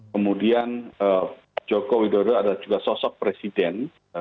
kemudian jokowi dodo adalah juga sosok presiden